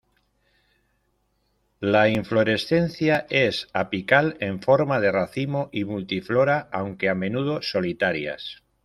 La inflorescencia es apical, en forma de racimo y multiflora, aunque a menudo solitarias.